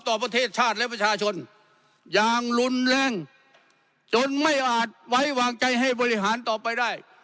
ประเทศชาติและประชาชนอย่างรุนแรงจนไม่อาจไว้วางใจให้บริหารต่อไปได้